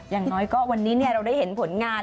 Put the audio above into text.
อย่างน้อยก็วันนี้เราได้เห็นผลงาน